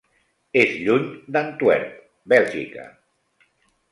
És lluny d'Antwerp, Bèlgica.